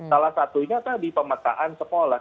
salah satunya tadi pemetaan sekolah